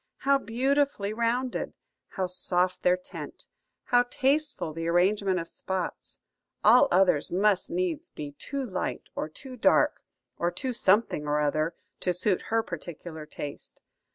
How beautifully rounded! How soft their tint! How tasteful the arrangement of spots! All others must needs be too light or too dark, or too something or other, to suit her particular taste.